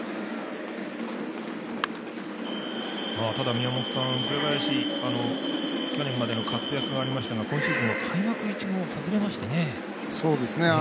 宮本さん、紅林去年までの活躍がありましたが今シーズンは開幕、外れましたね。